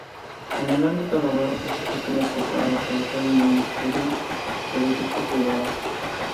En el ámbito laboral, ejerció como procurador judicial en un estudio jurídico privado.